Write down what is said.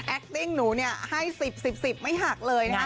แอคติ้งหนูเนี่ยให้สิบไม่หักเลยนะ